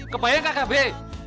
kebayang kakak be